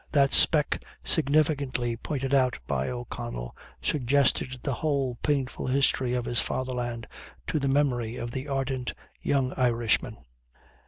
That speck, significantly pointed out by O'Connell, suggested the whole painful history of his fatherland to the memory of the ardent young Irishman.